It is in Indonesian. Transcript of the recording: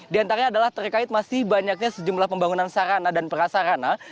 di antaranya adalah terkait masih banyaknya sejumlah pembangunan sarana dan prasarana